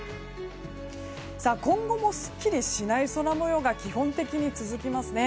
今後もすっきりしない空模様が基本的に続きますね。